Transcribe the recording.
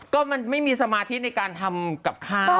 ก็มันไม่มีสมาธิในการทำกับข้าว